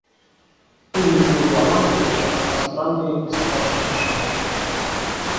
У них не голова на плечах, а странные и страшные шары.